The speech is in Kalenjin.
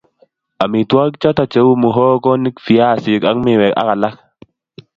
Amitwogik choto ko cheu muhogoinik viasik ak miwek ak alak